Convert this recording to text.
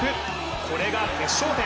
これが決勝点。